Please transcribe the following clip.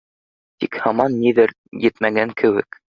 Тик һаман ниҙер етмәгән кеүек.